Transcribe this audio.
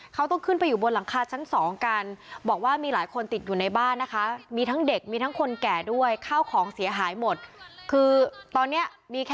บางคนก็ต้องปีนหลังคาหนีน้ำสำหรับคนที่บ้านเป็นชั้นเดียวนะคะ